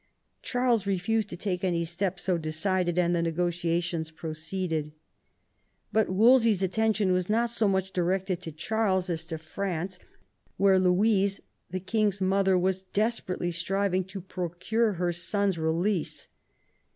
Charles refused to take any step so decided, and the negotiations proceeded. But Wolsey's attention was not so much directed to Charles as to France, where Louise, the king's mother, was desperately striving to procure her son's release.